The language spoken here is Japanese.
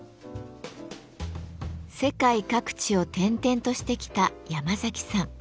世界各地を転々としてきたヤマザキさん。